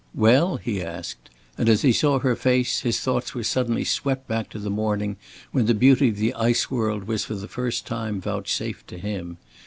"Well?" he asked; and as he saw her face his thoughts were suddenly swept back to the morning when the beauty of the ice world was for the first time vouchsafed to him.